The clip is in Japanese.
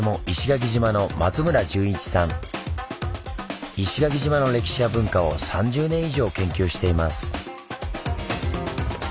石垣島の歴史や文化を３０年以上研究しています。